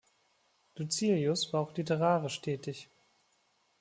Lucilius war auch literarisch tätig.